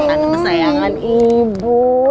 anak pesayangan ibu